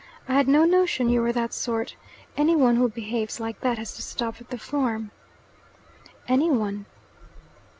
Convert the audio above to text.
"I had no notion you were that sort. Any one who behaves like that has to stop at the farm." "Any one?"